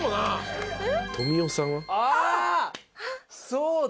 そうだ。